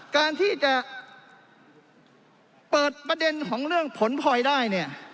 การที่จะเปิดประเด็นของเรื่องผลโพยได้